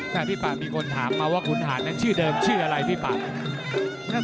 แต่พี่ป่ามีคนถามมาว่าคุณหาดนั้นชื่อเดิมชื่ออะไรพี่ป่า